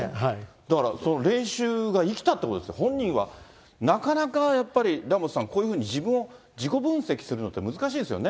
だからその練習がいきたってことですか、本人は、なかなかやっぱり、ラモスさん、こういうふうに自分を自己分析するのって難しいですよね。